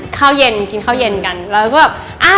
ข้าวเย็นกินข้าวเย็นกันแล้วก็แบบ